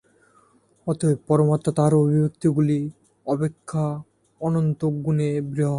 অতএব পরমাত্মা তাঁহার অভিব্যক্তিগুলি অপেক্ষা অনন্তগুণে বৃহৎ।